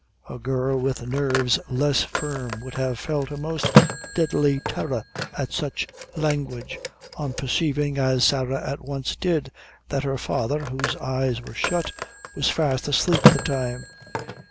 A girl with nerves less firm would have felt a most deadly terror at such language, on perceiving, as Sarah at once did, that her father, whose eyes were shut, was fast asleep at the time.